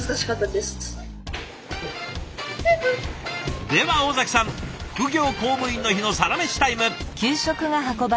では尾崎さん副業公務員の日のサラメシタイム。